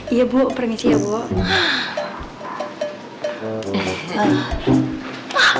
iya bu pergici ya bu